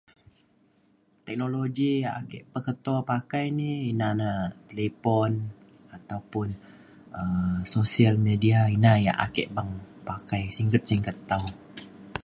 teknologi yak ake peketo pakai ni ina na talipon ataupun um sosial media ina yak ake beng pakai singget singget tau